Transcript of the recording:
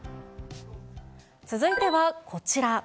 続いてはこちら。